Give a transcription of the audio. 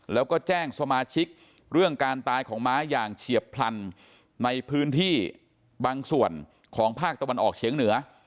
แล้วก็แจ้งสมาชิกเรื่องการตายของม้าอย่างเฉียบพลันในพื้นที่บางส่วนของภาคตะวันออกเฉียงเหนือ